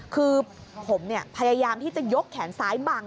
คือผมพยายามที่จะยกแขนซ้ายบัง